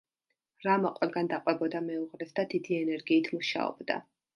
რამა ყველგან დაყვებოდა მეუღლეს და დიდი ენერგიით მუშაობდა.